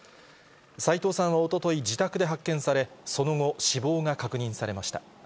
斎藤さんはおととい、自宅で発見され、その後、死亡が確認されました。